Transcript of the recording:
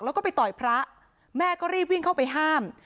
แล้วก็ไปต่อยพระแม่ก็รีบวิ่งเข้าไปห้าม